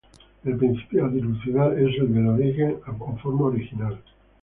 El "principio" a dilucidar es el del origen o forma original.